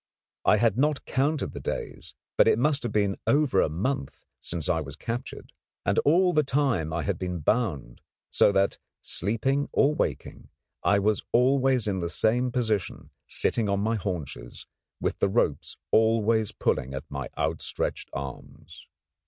I had not counted the days, but it must have been over a month since I was captured, and all that time I had been bound so that, sleeping or waking, I was always in the same position, sitting on my haunches, with the ropes always pulling at my outstretched arms.